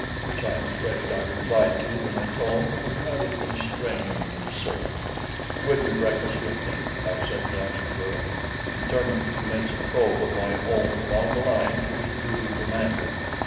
which I am afraid I replied to in a tone that was rather constrained and surly. "Will you breakfast with me?" I suddenly asked the girl, determined to commence a probe of my own along the lines which duty demanded.